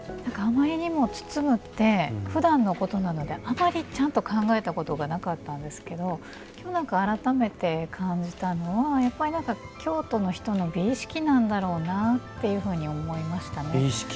あまりにも包むってふだんのことなのであまりちゃんと考えたことがなかったんですけどきょう、改めて感じたのは京都の人の美意識なんだろうなっていうふうに思いましたね。